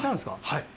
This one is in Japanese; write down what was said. はい。